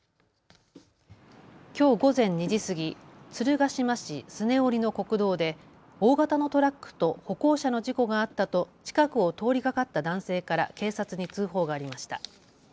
きょう午前２時過ぎ、鶴ヶ島市脚折の国道で大型のトラックと歩行者の事故があったと近くを通りがかった男性から警察に通報がありました。